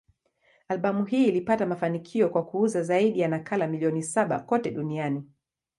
Albamu hii ilipata mafanikio kwa kuuza zaidi ya nakala milioni saba kote duniani.